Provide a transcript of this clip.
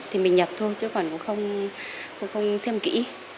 thì mình nhập thôi chứ còn cũng không xem kỹ